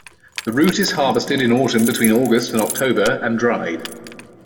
The root is harvested in autumn between August and October and dried.